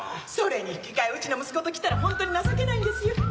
それに引き換えうちの息子ときたらほんとに情けないんですよ。